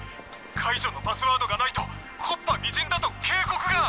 解除のパスワードがないと木っ端みじんだと警告が！